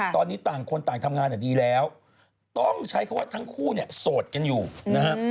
ตอนนี้ต่างคนต่างทำงานดีแล้วต้องใช้คำว่าทั้งคู่เนี่ยโสดกันอยู่นะฮะ